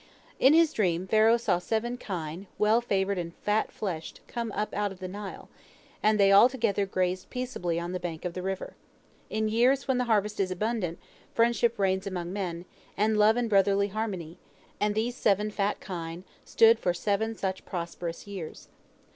In his dream Pharaoh saw seven kine, well favored and fat fleshed, come up out of the Nile, and they all together grazed peaceably on the brink of the river, In years when the harvest is abundant, friendship reigns among men, and love and brotherly harmony, and these seven fat kine stood for seven such prosperous years.